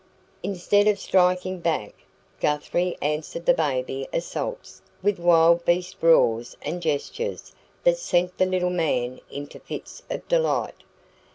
Instead of striking back, Guthrie answered the baby assaults with wild beast roars and gestures that sent the little man into fits of delight.